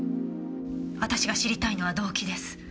私が知りたいのは動機です。